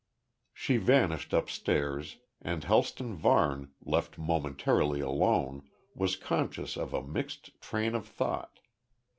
She vanished upstairs, and Helston Varne, left momentarily alone, was conscious of a mixed train of thought.